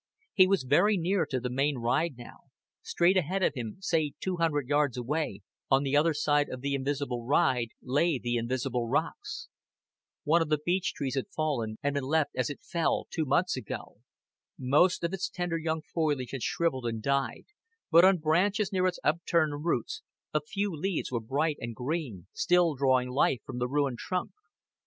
He was very near to the main ride now; straight ahead of him, say two hundred yards away, on the other side of the invisible ride lay the invisible rocks. One of the beech trees had fallen, and been left as it fell two months ago. Most of its tender young foliage had shriveled and died, but on branches near its upturned roots a few leaves were bright and green, still drawing life from the ruined trunk.